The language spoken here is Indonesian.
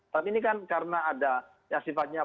tapi ini kan karena ada yang sifatnya